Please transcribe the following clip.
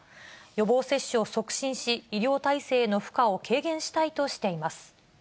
予防接種を促進し、医療体制の負荷を軽減したいとしています。